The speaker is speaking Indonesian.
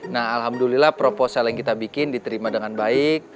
nah alhamdulillah proposal yang kita bikin diterima dengan baik